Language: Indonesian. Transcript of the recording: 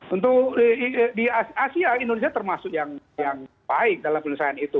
untuk di asia indonesia termasuk yang baik dalam penyelesaian itu